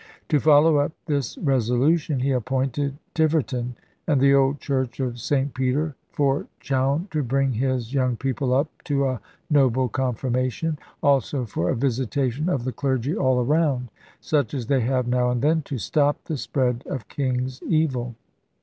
To follow up this resolution he appointed Tiverton, and the old church of St Peter, for Chowne to bring his young people up to a noble confirmation; also for a visitation of the clergy all around; such as they have now and then, to stop the spread of king's evil.